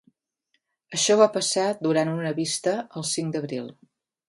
Això va passar durant una vista el cinc d’abril.